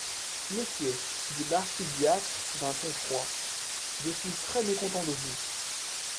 Monsieur, dit l’archidiacre d’un ton froid, je suis très mécontent de vous.